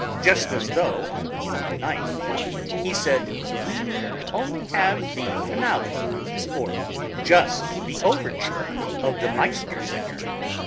Just as though, 'in the Ninth,' he said 'we need only have the finale,' or 'just the overture' of the Meistersinger."